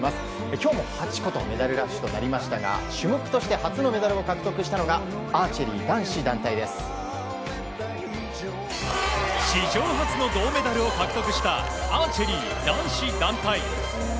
今日も８個とメダルラッシュとなりましたが種目として初のメダルを獲得したのが史上初の銅メダルを獲得したアーチェリー男子団体。